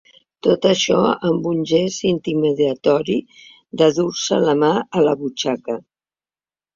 Tot això amb el gest intimidatori de dur-se la mà a la butxaca.